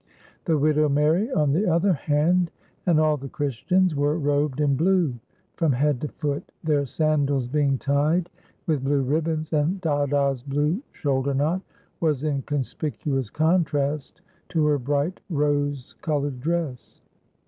The widow Mary, on the other hand, and all the Christians, were robed in blue from head to foot, their sandals being tied with blue ribbons; and Dada's blue shoulder knot was in conspicuous contrast to her bright rose colored dress.